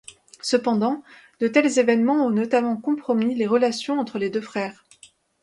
Cependant, de tels événements ont notablement compromis les relations entre les deux frères.